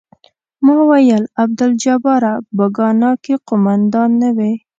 ما ویل عبدالجباره په ګانا کې قوماندان نه وې.